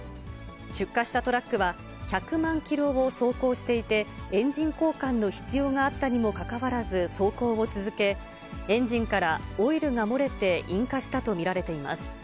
出火したトラックは、１００万キロを走行していて、エンジン交換の必要があったにもかかわらず走行を続け、エンジンからオイルが漏れて引火したと見られています。